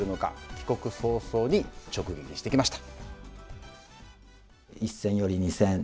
帰国早々に直撃してきました。